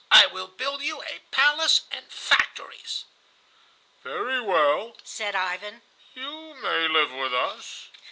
I will build you a palace and factories." "Very well," said Ivan; "you may live with us."